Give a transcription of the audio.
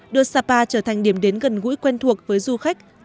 đưa sapa trở thành điểm đến gần gũi quen thuộc với du khách